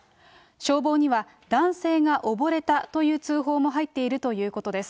消防には男性が溺れたという通報も入っているということです。